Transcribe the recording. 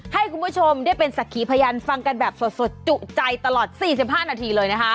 ให้คุณผู้ชมได้เป็นสักขีพยานฟังกันแบบสดจุใจตลอด๔๕นาทีเลยนะคะ